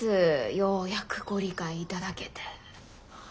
ようやくご理解頂けて。